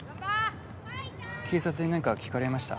警察に何か聞かれました？